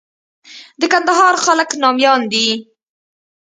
د کندهار خلک ناميان دي.